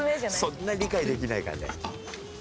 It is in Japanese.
そんな理解できないかね？